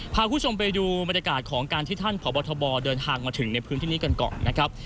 พาคุณผู้ชมไปดูบรรยากาศของการที่ท่านพบทบเดินทางมาถึงในพื้นที่นี้กันก่อนนะครับ